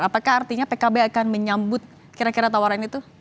apakah artinya pkb akan menyambut kira kira tawaran itu